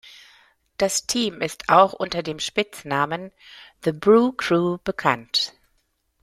Das Team ist auch unter dem Spitznamen "The Brew Crew" bekannt.